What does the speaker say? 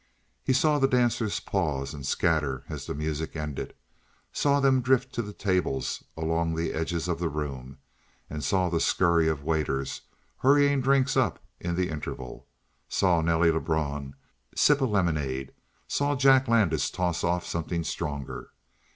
He saw the dancers pause and scatter as the music ended, saw them drift to the tables along the edges of the room, saw the scurry of waiters hurrying drinks up in the interval, saw Nelly Lebrun sip a lemonade, saw Jack Landis toss off something stronger.